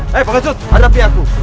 hei pak hesut hadapi aku